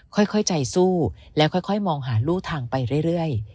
ค่อยใจสู้แล้วค่อยมองหารู่ทางไปเรื่อย